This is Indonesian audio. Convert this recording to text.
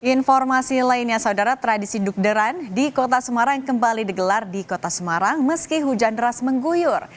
informasi lainnya saudara tradisi dukderan di kota semarang kembali digelar di kota semarang meski hujan deras mengguyur